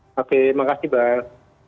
oke terima kasih pak